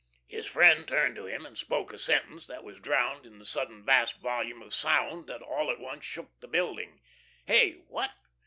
His friend turned to him and spoke a sentence that was drowned in the sudden vast volume of sound that all at once shook the building. "Hey what?"